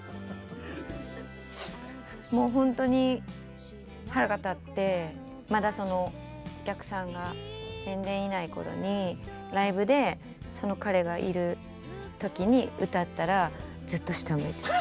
もうほんとに腹が立ってまだお客さんが全然いない頃にライブでその彼がいる時に歌ったらずっと下向いてた。